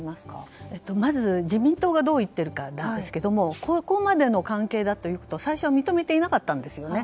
まず自民党がどう言っているかですがここまでの関係だということは最初は認めていなかったんですね。